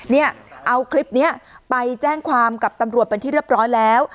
เนี่ยเอาคลิปนี้ไปแจ้งความกับตำรวจเป็นที่เรียบร้อยแล้ว